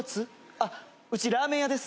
あっうちラーメン屋です。